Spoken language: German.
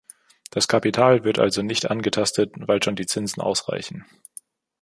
Das Kapital wird also nicht angetastet, weil schon die Zinsen ausreichen.